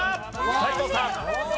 斎藤さん。